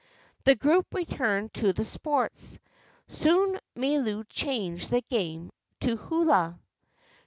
The group returned to the sports. Soon Milu changed the game to hula.